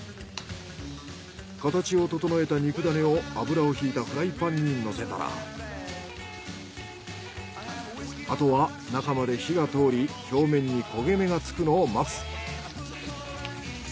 形を整えた肉ダネを油をひいたフライパンにのせたらあとは中まで火が通り表面に焦げ目がつくのを待つ。